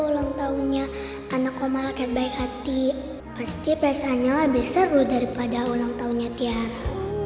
ulang tahunnya anak omah akan baik hati pasti pesannya lebih seru daripada ulang tahunnya tiara